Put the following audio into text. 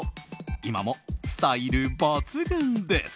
今もスタイル抜群です。